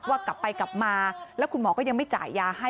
ว่ากลับไปกลับมาแล้วคุณหมอก็ยังไม่จ่ายยาให้